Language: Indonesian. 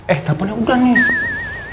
eh telfonnya ugan nih